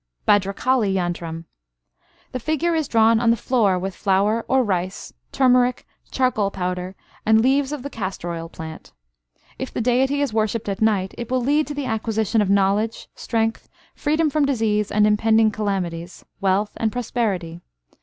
Bhadrakali yantram. The figure is drawn on the floor with flour or rice, turmeric, charcoal powder, and leaves of the castor oil plant. If the deity is worshipped at night, it will lead to the acquisition of knowledge, strength, freedom from disease and impending calamities, wealth, and prosperity.